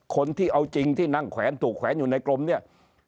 คนที่เอาจริงที่นั่งแขวนถูกแขวนอยู่ในกรมเนี่ย